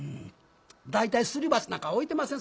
大体すり鉢なんか置いてません